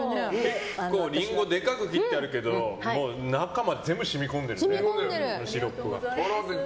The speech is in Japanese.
結構リンゴがでかく切ってあるけど中まで全部染み込んでるねシロップが。